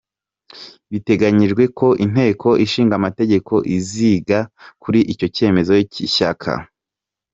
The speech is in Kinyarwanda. Biteganyijwe ko Inteko Ishinga Amategeko iziga kuri icyo cyemezo cy’ishyaka.